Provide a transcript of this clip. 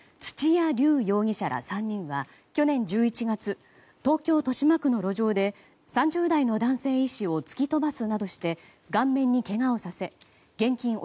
土屋龍生容疑者ら３人は去年１１月東京・豊島区の路上で３０代の男性医師を突き飛ばすなどして顔面にけがをさせ現金